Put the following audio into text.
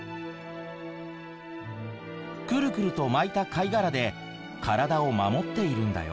クルクルと巻いた貝殻で体を守っているんだよ。